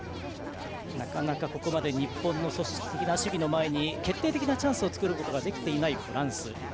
なかなかここまで日本の組織的な守備の前に決定的なチャンスを作れていないフランス。